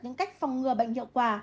những cách phòng ngừa bệnh hiệu quả